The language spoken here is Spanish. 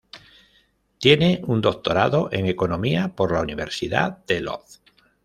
Tiene un Doctorado en Economía por la Universidad de Lodz.